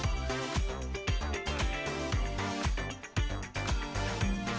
dan interoperable dalam memperkuat pemulihan ekonomi